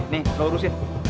nih selalu urusin